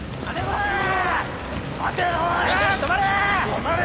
・「止まれ！